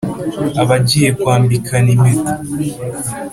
abagiye kwambikana impeta